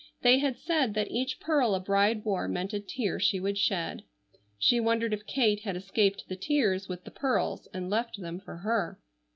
They had said that each pearl a bride wore meant a tear she would shed. She wondered if Kate had escaped the tears with the pearls, and left them for her.